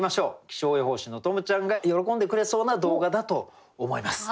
気象予報士の十夢ちゃんが喜んでくれそうな動画だと思います。